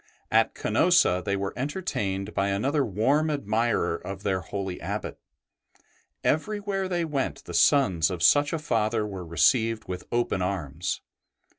At Canosa* they were enter tained by another warm admirer of their holy Abbot; everywhere they went the sons of such a Father were received with open arms.